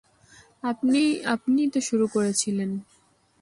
আপনিই তো শুরু করেছিলেন।